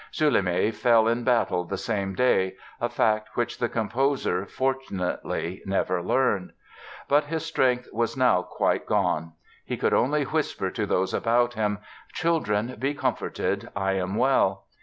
Sulémy fell in battle the same day, a fact which the composer, fortunately, never learned. But his strength was now quite gone. He could only whisper to those about him: "Children, be comforted, I am well."